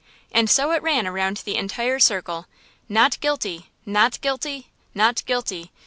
And so it ran around the entire circle. "Not guilty!" "Not guilty!" Not guilty!"